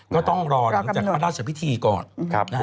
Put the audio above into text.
ก็ต้องรอหลังจากพระราชพิธีก่อน